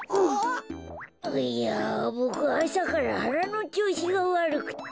いやボクあさからはなのちょうしがわるくってさ。